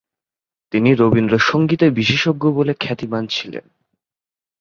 তিনি রবীন্দ্র সংগীতে বিশেষজ্ঞ বলে খ্যাতিমান ছিলেন।